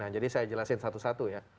nah jadi saya jelasin satu satu ya